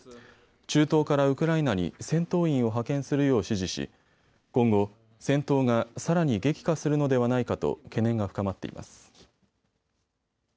中東からウクライナに戦闘員を派遣するよう指示し今後、戦闘がさらに激化するのではないかと懸念が深まっています。